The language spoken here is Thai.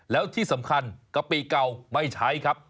แล้วที่สำคัญกะปิเก่าไม่ใช้ครับ